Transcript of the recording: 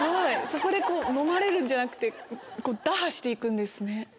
そこでのまれるんじゃなくて打破して行くんですね。